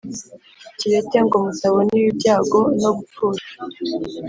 Kirete ngo mutabona ibi byago no gupfusha